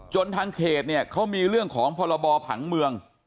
จนทางเขตเขามีเรื่องของพรบผังเมือง